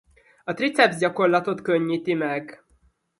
A tricepszgyakorlatot könnyíti meg.